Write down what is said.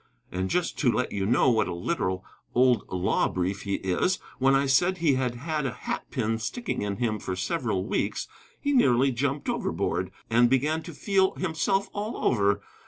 And just to let you know what a literal old law brief he is, when I said he had had a hat pin sticking in him for several weeks, he nearly jumped overboard, and began to feel himself all over.